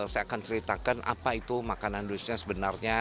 saya akan ceritakan apa itu makanan dusnya sebenarnya